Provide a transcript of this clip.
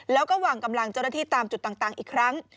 แล้วก็วางกำลังเจ้าหน้าที่ตามจุดต่างอีกครั้ง